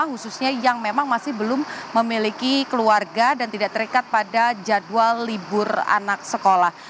khususnya yang memang masih belum memiliki keluarga dan tidak terikat pada jadwal libur anak sekolah